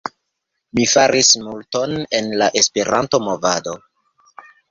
Mi faris multon en la Esperanto-movado